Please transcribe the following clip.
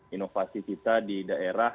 inovasi kita di daerah